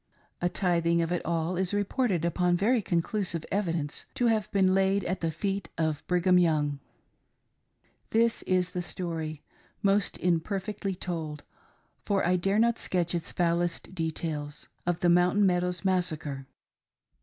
A tithing of it all is reported upon very conclusive evidence to have been laid at the feet of Brigham Young. This is the story — most imperfectly told — for I dare not sketch its foulest details, — of the Mountain Meadows Mas sacre.